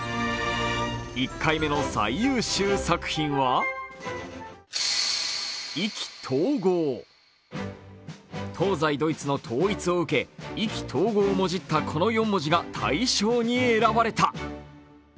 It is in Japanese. １回目の最優秀作品は東西ドイツの統一を受けこの４文字が大賞に選ばれた。